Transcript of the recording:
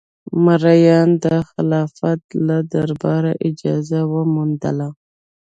مریانو د خلافت له دربار اجازه وموندله.